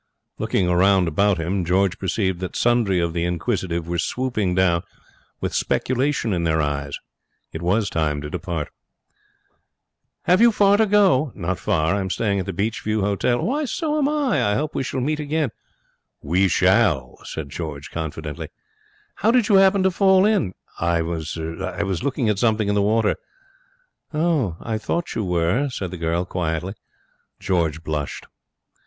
Looking round about him, George perceived that sundry of the inquisitive were swooping down, with speculation in their eyes. It was time to depart. 'Have you far to go?' 'Not far. I'm staying at the Beach View Hotel.' 'Why, so am I. I hope we shall meet again.' 'We shall,' said George confidently. 'How did you happen to fall in?' 'I was er I was looking at something in the water.' 'I thought you were,' said the girl, quietly. George blushed.